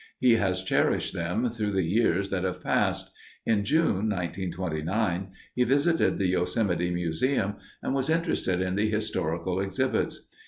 He has cherished them through the years that have passed. In June, 1929, he visited the Yosemite Museum and was interested in the historical exhibits.